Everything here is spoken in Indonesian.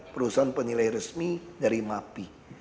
perusahaan penilai resmi dari mapi